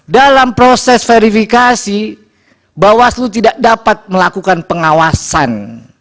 dalam proses verifikasi bawaslu tidak dapat melakukan pengawasan